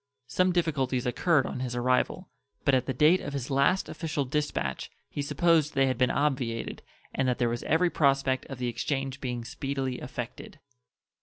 Some difficulties occurred on his arrival, but at the date of his last official dispatch he supposed they had been obviated and that there was every prospect of the exchange being speedily effected.